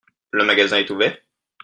Le magasin est ouvert ?